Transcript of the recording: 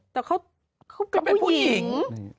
แต่เขาเป็นผู้หญิง